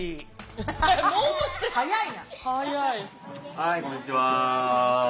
はいこんにちは。